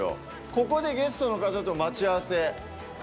ここでゲストの方と待ち合わせ。